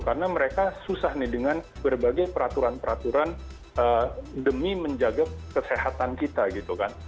karena mereka susah nih dengan berbagai peraturan peraturan demi menjaga kesehatan kita gitu kan